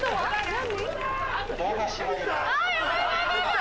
何？